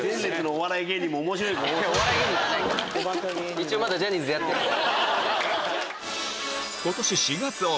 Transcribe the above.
一応まだジャニーズでやってるんで。